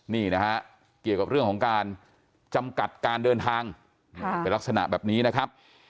นี่นะฮะเกี่ยวกับเรื่องของการจำกัดการเดินทางเป็นลักษณะแบบนี้นะครับ